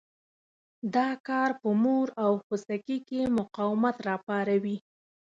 دا کار په مور او خوسکي کې مقاومت را پاروي.